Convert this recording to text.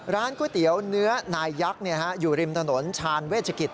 ร้านก๋วยเตี๋ยวเนื้อนายยักษ์อยู่ริมถนนชาญเวชกิจ